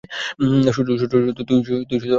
শুটু, তুই আমার সাথে আয়।